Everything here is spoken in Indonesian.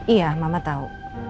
iya mama tau